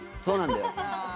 そうなんだよ。